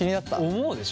思うでしょ？